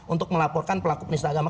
untuk melaporkan pelaku penista agama